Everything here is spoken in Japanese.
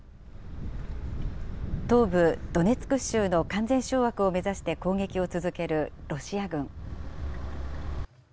東部ドネツク州の完全掌握を目指して攻撃を続けるロシア軍。